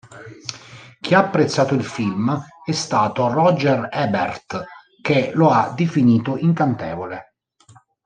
Chi ha apprezzato il film è stato Roger Ebert, che lo ha definito "incantevole".